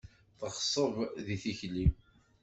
Teɣṣeb di tikli.